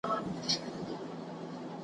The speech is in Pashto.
غیږي ته مي راسي مینه مینه پخوانۍ .